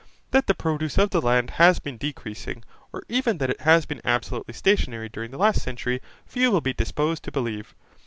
That the produce of the land has been decreasing, or even that it has been absolutely stationary during the last century, few will be disposed to believe.